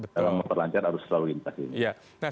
kalau motor lancar harus selalu lintas